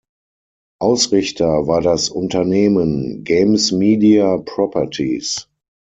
Ausrichter war das Unternehmen "Games Media Properties".